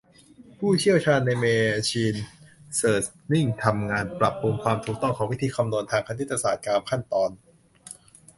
ผู้เชี่ยวชาญในแมชีน เลิร์นนิ่งทำงานปรับปรุงความถูกต้องของวิธีคำนวณทางคณิตศาสตร์ตามขั้นตอน